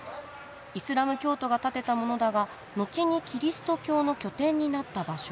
イスラム教徒が建てたものだが後にキリスト教の拠点になった場所。